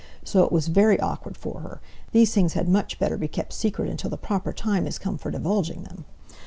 So it was very awkward for her. These things had much better be kept secret until the proper time has come for divulging them."